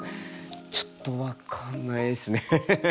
ちょっと分かんないですね。